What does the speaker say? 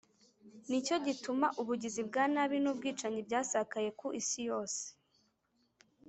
ni cyo gituma ubugizi bwa nabi n’ubwicanyi byasakaye ku isi yose,